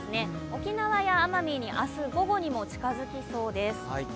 沖縄や奄美に明日午後にも近づきそうです。